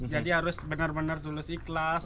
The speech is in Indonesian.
jadi harus benar benar tulus ikhlas